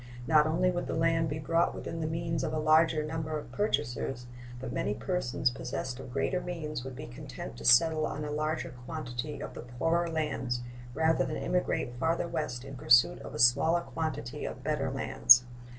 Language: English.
Not only would the land be brought within the means of a larger number of purchasers, but many persons possessed of greater means would be content to settle on a larger quantity of the poorer lands rather than emigrate farther west in pursuit of a smaller quantity of better lands.